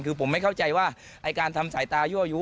คือผมไม่เข้าใจว่าไอ้การทำสายตายั่วยู้